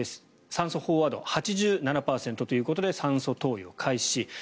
酸素飽和度、８７％ということで酸素投与開始。